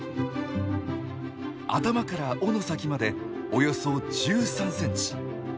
頭から尾の先までおよそ１３センチ。